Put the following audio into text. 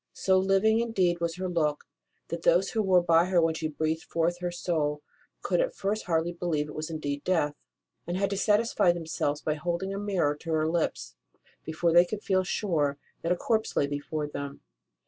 So living, indeed, was her look that those who were by when she breathed forth her soul could at first hardly believe that it was indeed death, and had to satisfy themselves by holding a mirror to her lips before they could feel sure that a corpse lay before them.